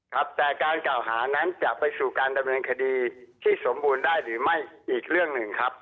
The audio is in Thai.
ครับแต่การกล่าวหานั้นจะไปสู่การดำเนินคดีที่สมบูรณ์ได้หรือไม่อีกเรื่องหนึ่งครับ